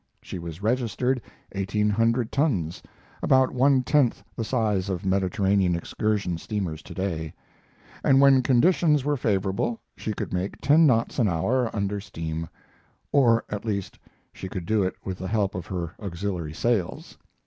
She was registered eighteen hundred tons about one tenth the size of Mediterranean excursion steamers today and when conditions were favorable she could make ten knots an hour under steam or, at least, she could do it with the help of her auxiliary sails.